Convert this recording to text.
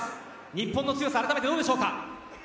日本の強さあらためてどうでしょうか？